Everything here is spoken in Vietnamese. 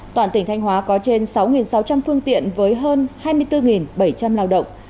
toàn tỉnh thanh hóa có trên sáu sáu trăm linh phương tiện với hơn hai mươi bốn bảy trăm linh lao động